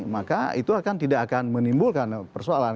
maka itu akan tidak akan menimbulkan persoalan